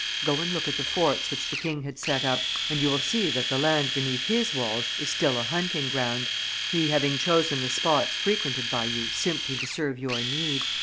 "Go and look at the forts which the king had set up, and you will see that the land beneath his walls is still a hunting ground, he having chosen the spots frequented by you simply to serve your need.